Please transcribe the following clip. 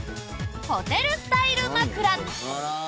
ホテルスタイル枕。